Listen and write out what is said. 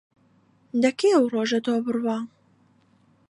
دەکەی ئەو ڕۆژە تۆ بڕوا